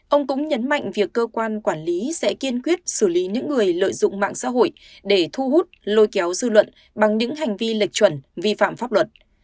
ông cũng nhấn mạnh việc cơ quan quản lý sẽ kiên quyết xử lý những người lợi dụng mạng xã hội để thu hút lôi kéo dư luận bằng những hành vi lệch chuẩn vi phạm pháp luật